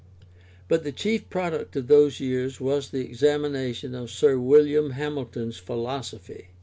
But the chief product of those years was the Examination of Sir William Hamilton's Philosophy.